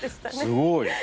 すごい。